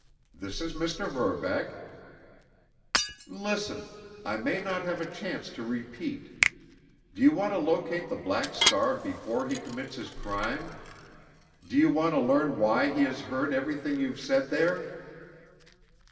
"This is Mr. Verbeck." "Listen! I may not have a chance to repeat! Do you want to locate the Black Star before he commits his crime? Do you want to learn why he has heard everything you've said there?"